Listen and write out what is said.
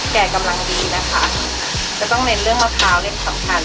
แก่กำลังดีนะคะจะต้องเน้นเรื่องมะพร้าวเล่นสำคัญ